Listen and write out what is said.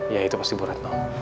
ya itu pasti borat no